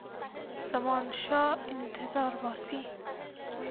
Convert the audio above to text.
زمانشاه انتظار باسي.